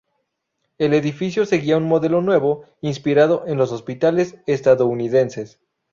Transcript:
El edificio seguía un modelo nuevo, inspirado en los hospitales estadounidenses.